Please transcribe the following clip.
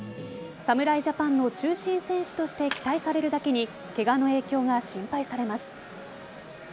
侍ジャパンの中心選手として期待されるだけにケガの影響が心配されます。